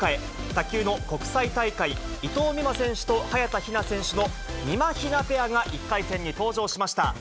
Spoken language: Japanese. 卓球の国際大会、伊藤美誠選手と早田ひな選手のみまひなペアが１回戦に登場しました。